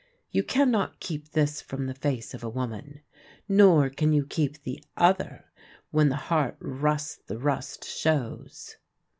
You can not keep this from the face of a woman. Nor can you keep the other : when the heart rusts the rust shows.